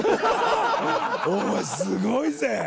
おいすごいぜ！